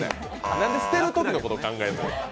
何で捨てるときのことを考えるの？